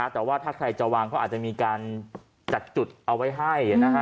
แต่ว่าถ้าใครจะวางเขาอาจจะมีการจัดจุดเอาไว้ให้